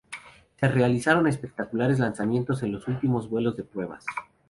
Se realizaron espectaculares lanzamientos en los últimos vuelos de pruebas.